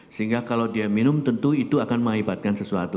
sehingga kalau dia minum tentu itu akan mengakibatkan sesuatu